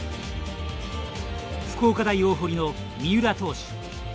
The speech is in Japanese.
福岡大大濠の三浦投手。